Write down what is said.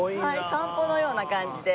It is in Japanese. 散歩のような感じで。